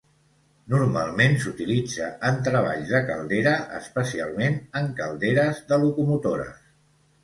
Normalment s'utilitza en treballs de caldera, especialment en calderes de locomotores.